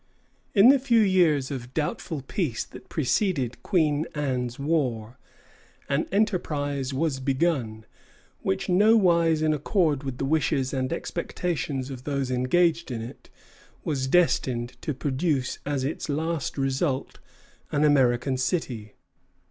In the few years of doubtful peace that preceded Queen Anne's War, an enterprise was begun, which, nowise in accord with the wishes and expectations of those engaged in it, was destined to produce as its last result an American city.